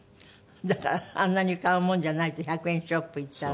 だからあんなに買うもんじゃないって１００円ショップ行ったら。